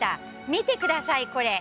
見てください、これ。